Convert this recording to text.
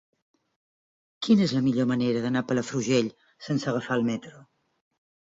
Quina és la millor manera d'anar a Palafrugell sense agafar el metro?